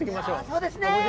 そうですね。